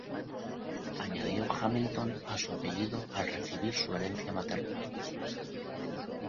Añadió "Hamilton" a su apellido al recibir su herencia materna.